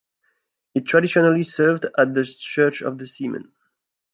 It traditionally served as the church of the seamen.